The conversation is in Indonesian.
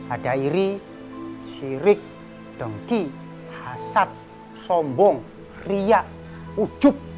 ada iri syirik dongki hasad sombong riak ujuk